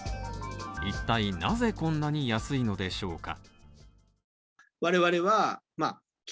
いったいなぜこんなに安いのでしょうか？